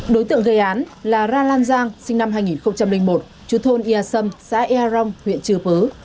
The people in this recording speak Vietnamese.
đối tượng gây án là ra lan giang sinh năm hai nghìn một chú thôn yà sâm xã yà rồng huyện chư pư